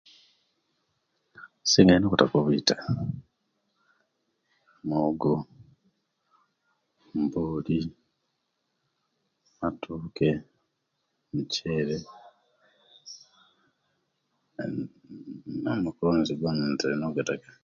Nsinga ino okutaka bwitta, muwoggo, imbooli, matooke, mukyere na na namakuronizi goona ntere ino ogattaka.